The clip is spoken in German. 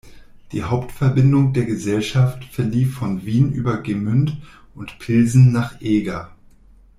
Die Hauptverbindung der Gesellschaft verlief von Wien über Gmünd und Pilsen nach Eger.